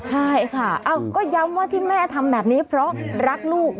ใช่ค่ะก็ย้ำว่าที่แม่ทำแบบนี้เพราะรักลูก